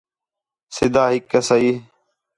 سدھا ہِک کسائی